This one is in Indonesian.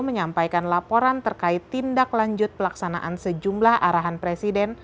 menyampaikan laporan terkait tindak lanjut pelaksanaan sejumlah arahan presiden